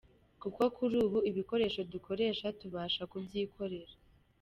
Kuko kuri ubu, ibikoresho dukoresha tubasha kubyikorera.